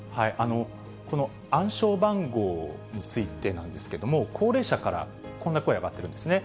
この暗証番号についてなんですけども、高齢者から、こんな声、上がってるんですね。